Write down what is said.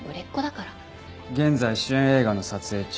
現在主演映画の撮影中。